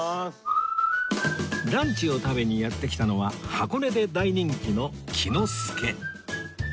ランチを食べにやって来たのは箱根で大人気の喜之助